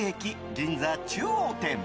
銀座中央店。